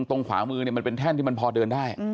ขวามือมันเป็นแท่นที่มันพอเดินได้